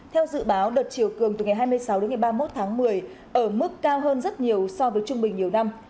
theo dự báo đợt chiều cường từ ngày hai mươi sáu đến ngày ba mươi một tháng một mươi ở mức cao hơn rất nhiều so với trung bình nhiều năm